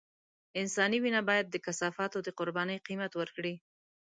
انساني وينه بايد د کثافاتو د قربانۍ قيمت ورکړي.